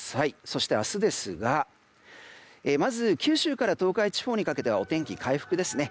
そして明日ですがまず九州から東海地方にかけてはお天気、回復ですね。